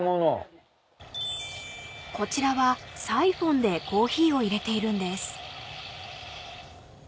［こちらはサイホンでコーヒーを入れているんです］